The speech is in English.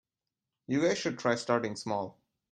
You guys should try starting small.